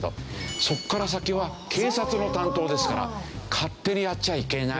そこから先は警察の担当ですから勝手にやっちゃいけない。